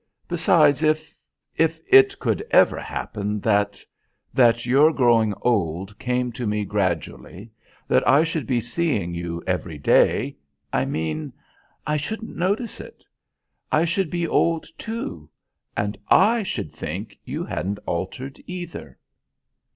"Besides if if it could ever happen that that your growing old came to me gradually, that I should be seeing you every day, I mean, I shouldn't notice it. I should be old too; and I should think you hadn't altered either."